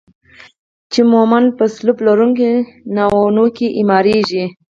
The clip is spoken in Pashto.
چې عموما په سلوب لرونکو ناوونو کې اعماریږي.